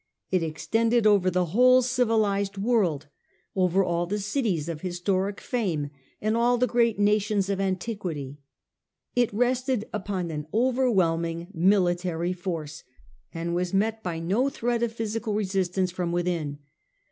It ex tended over the whole civilized world, over all the cities of historic fame and all the great nations of antiquity. It rested upon an overwhelming military force, and was met by no threat of physical resistance from within.